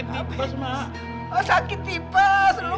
masih kena sakit tipes mak